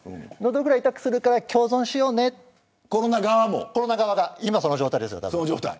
喉ぐらい痛くするから共存しようねコロナ側が今その状態ですよね。